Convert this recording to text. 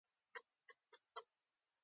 هغه پریکړه وکړه چې باید ډګروال لیاخوف وګوري